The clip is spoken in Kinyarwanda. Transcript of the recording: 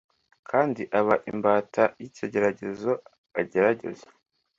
kandi aba imbata yikigeragezo agerageza